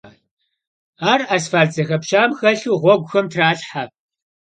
Ar asfalt zexepşam xelhu ğueguxem tralhhe.